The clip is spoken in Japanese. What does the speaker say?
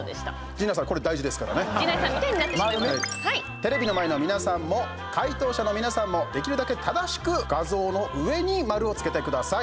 テレビの前の皆さんも解答者の皆さんもできるだけ、正しく画像の上に丸をつけてください。